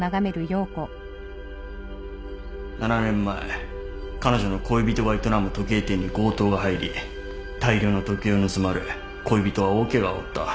７年前彼女の恋人が営む時計店に強盗が入り大量の時計を盗まれ恋人は大ケガを負った。